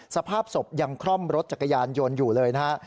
สภาพศพยังคล่อมรถจักรยานยนต์อยู่เลยนะฮะ